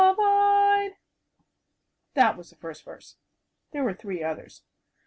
That was the first verse. There were three others.